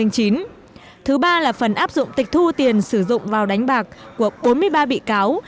thứ ba là phần áp dụng tịch thu tiền sử dụng vào đánh bạc của bốn mươi ba bị cáo